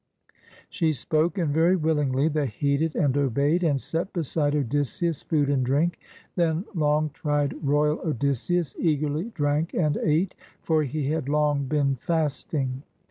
She spoke, and very willingly they heeded and obeyed, and set beside Odysseus food and drink. Then long tried royal Odysseus eagerly drank and ate, for he had long been fasting.